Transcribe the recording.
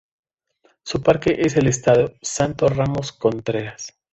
Su parque es el Estadio "Santos Ramos Contreras".